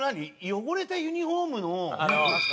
汚れたユニフォームの。